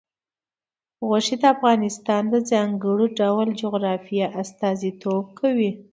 غوښې د افغانستان د ځانګړي ډول جغرافیه استازیتوب کوي.